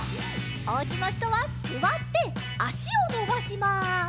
おうちのひとはすわってあしをのばします。